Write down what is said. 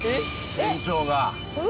船長が。